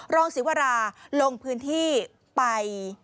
ศิวราลงพื้นที่ไป